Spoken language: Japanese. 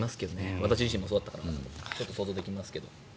私自身もそうだったからちょっと想像できますけど。